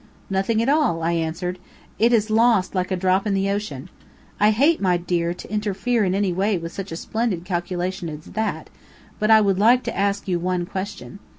"Nothing at all," I answered. "It is lost like a drop in the ocean. I hate, my dear, to interfere in any way with such a splendid calculation as that, but I would like to ask you one question."